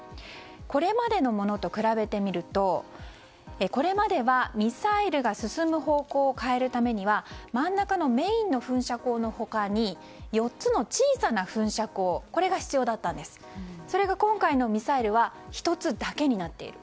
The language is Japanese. これまでのものと比べてみるとこれまでは、ミサイルが進む方向を変えるためには真ん中のメインの噴射口の他に４つの小さな噴射口これが必要だったんですが今回のミサイルは１つだけになっている。